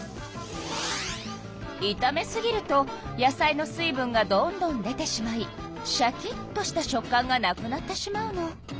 いため過ぎると野菜の水分がどんどん出てしまいシャキッとした食感がなくなってしまうの。